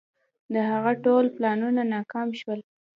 د هغه ټول پلانونه ناکام شول.